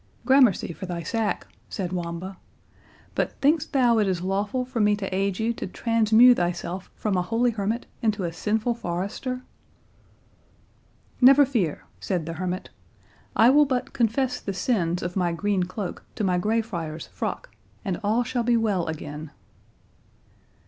"Gramercy for thy sack," said Wamba; "but think'st thou it is lawful for me to aid you to transmew thyself from a holy hermit into a sinful forester?" "Never fear," said the hermit; "I will but confess the sins of my green cloak to my greyfriar's frock, and all shall be well again."